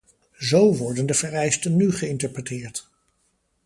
Zo worden de vereisten nu geïnterpreteerd.